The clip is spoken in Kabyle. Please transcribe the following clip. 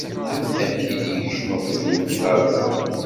Amek i d-yekcem uqjun-ik ɣer da?